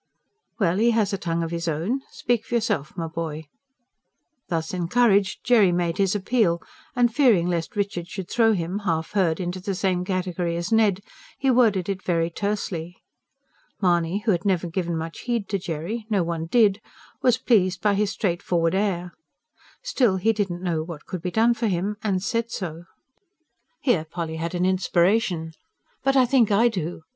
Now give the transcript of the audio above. "Well, he has a tongue of his own. Speak for yourself, my boy!" Thus encouraged, Jerry made his appeal; and fearing lest Richard should throw him, half heard, into the same category as Ned, he worded it very tersely. Mahony, who had never given much heed to Jerry no one did was pleased by his straightforward air. Still, he did not know what could be done for him, and said so. Here Polly had an inspiration. "But I think I do.